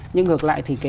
nhưng ngược lại thì